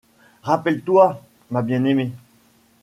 Rappelle-toi, ma bien-aimée